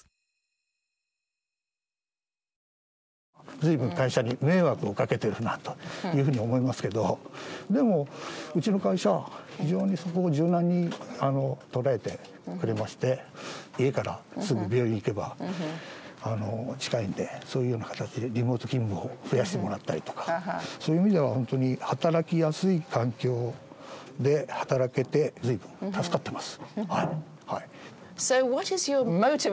随分会社に迷惑をかけてるなというふうに思いますけどでもうちの会社非常にそこを柔軟に捉えてくれまして家からすぐ病院へ行けば近いんでそういうような形でリモート勤務を増やしてもらったりとかそういう意味では本当に働きやすい環境で働けて随分助かってます。